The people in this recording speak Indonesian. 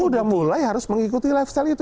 sudah mulai harus mengikuti lifestyle itu